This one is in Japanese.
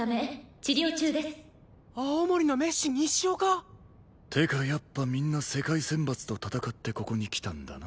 青森のメッシ西岡！ってかやっぱみんな世界選抜と戦ってここに来たんだな。